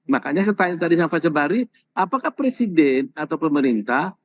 makanya saya tanya tadi sama pak sebari apakah presiden atau pemerintah